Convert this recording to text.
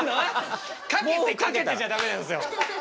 かけてかけてじゃダメなんですよ。